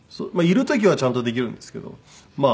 いる時はちゃんとできるんですけど。